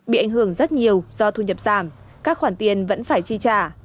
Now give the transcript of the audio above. bị ảnh hưởng rất nhiều do thu nhập giảm các khoản tiền vẫn phải chi trả